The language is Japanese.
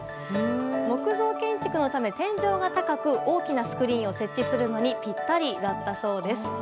木造建築のため、天井が高く大きなスクリーンを設置するのにぴったりだったそうです。